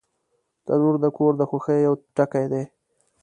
تنور د کور د خوښیو یو ټکی دی